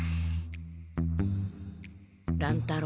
乱太郎。